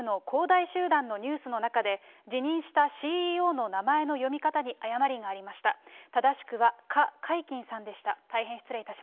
大集団のニュースの中で、辞任したＣＥＯの名前の読み方に誤りがありました。